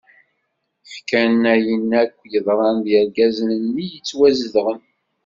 Ḥkan ayen akk yeḍran d yergazen-nni yettwazedɣen.